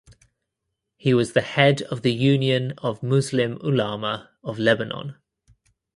He was the head of the Union of Muslim Ulama of Lebanon.